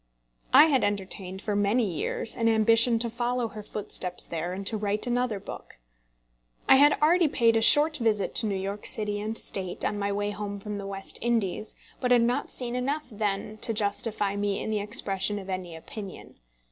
I had entertained for many years an ambition to follow her footsteps there, and to write another book. I had already paid a short visit to New York City and State on my way home from the West Indies, but had not seen enough then to justify me in the expression of any opinion.